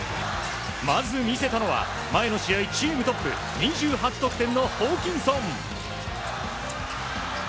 まず見せたのは前の試合チームトップ２８得点のホーキンソン。